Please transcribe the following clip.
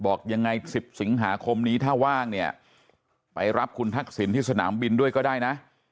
บอกอย่างไรสิบสิงหาคมนี้ถ้าว่างไปรับคุณทักษิณค์ที่สนามบินด้วยก็ได้นะ